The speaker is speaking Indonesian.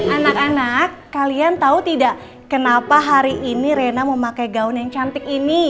anak anak kalian tahu tidak kenapa hari ini rena memakai gaun yang cantik ini